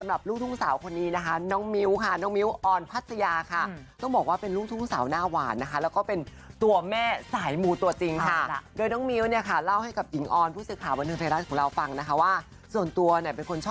สำหรับลูกทุ่งสาวคนนี้นะคะน้องมิวค่ะน้องมิวออน